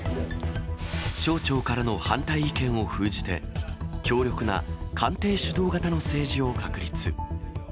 省庁からの反対意見を封じて、強力な官邸主導型の政治を確立。